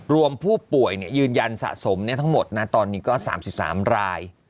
รวมผู้ป่วยยืนยันสะสมทั้งหมดนะตอนนี้ก็๓๓ราย